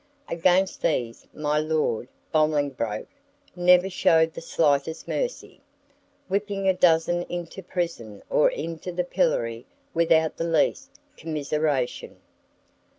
Against these my Lord Bolingbroke never showed the slightest mercy, whipping a dozen into prison or into the pillory without the least commiseration.